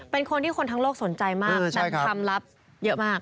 เป็นคนที่คนทั้งโลกสนใจมากแต่คำลับเยอะมาก